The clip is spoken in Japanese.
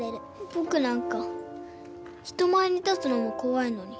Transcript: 僕なんか人前に立つのも怖いのに。